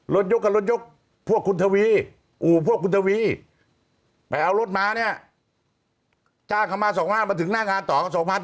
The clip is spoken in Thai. รถยกกับรถยกพวกคุณทวีอู่พวกคุณทวีไปเอารถมาเนี่ยจ้างเขามา๒๕มาถึงหน้างานต่อ๒๐๐